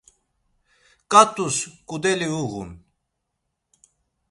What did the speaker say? Ǩat̆us ǩudeli uğun.